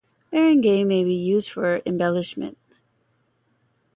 Meringue may be used for embellishment.